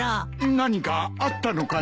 何かあったのかね？